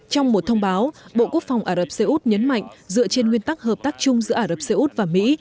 trong một thông báo bộ quốc phòng ả rập xê út nhấn mạnh dựa trên nguyên tắc hợp tác chung giữa ả rập xê út và mỹ